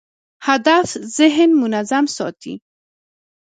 هدف ذهن منظم ساتي.